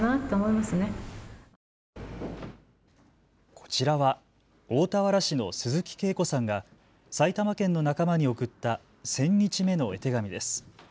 こちらは大田原市の鈴木啓子さんが埼玉県の仲間に送った１０００日目の絵手紙です。